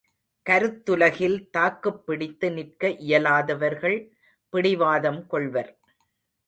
கருத்துலகில் தாக்குப்பிடித்து நிற்க இயலாதவர்கள் பிடிவாதம் கொள்வர்.